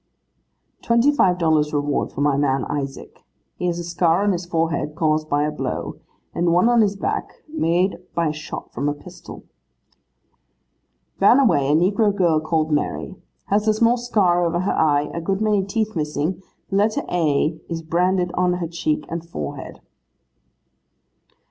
'Twenty five dollars reward for my man Isaac. He has a scar on his forehead, caused by a blow; and one on his back, made by a shot from a pistol.' 'Ran away, a negro girl called Mary. Has a small scar over her eye, a good many teeth missing, the letter A is branded on her cheek and forehead.